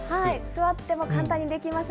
座っても簡単にできます。